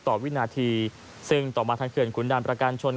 ต่อวินาทีซึ่งต่อมาทางเขลขุนดันประกาศชน